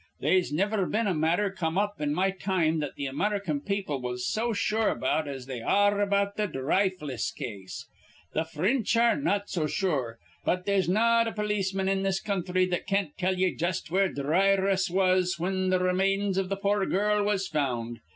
They'se niver been a matther come up in my time that th' American people was so sure about as they ar re about th' Dhryfliss case. Th' Frinch ar re not so sure, but they'se not a polisman in this counthry that can't tell ye jus' where Dhry russ was whin th' remains iv th' poor girl was found.